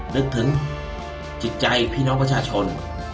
นึกถึงจิตใจพี่น้องประชาชน